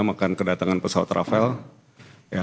akan kedatangan pesawat rafael